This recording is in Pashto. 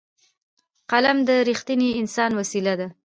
قلم د رښتیني انسان وسېله ده